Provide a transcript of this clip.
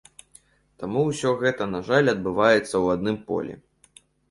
Таму ўсё гэта, на жаль, адбываецца ў адным полі.